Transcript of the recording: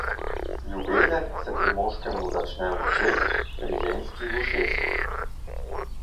Ljubezen se pri moškemu začne v očeh, pri ženski v ušesu.